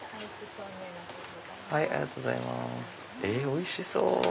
おいしそう！